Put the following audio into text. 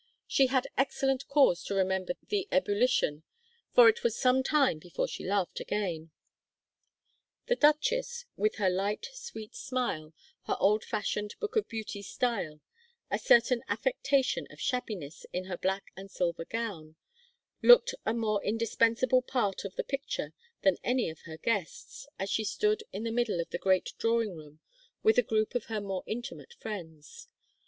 She had excellent cause to remember the ebullition, for it was some time before she laughed again. The duchess, with her light sweet smile, her old fashioned Book of Beauty style, a certain affectation of shabbiness in her black and silver gown, looked a more indispensable part of the picture than any of her guests, as she stood in the middle of the great drawing room with a group of her more intimate friends.